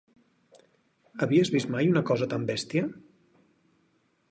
Havies vist mai una cosa tan bèstia?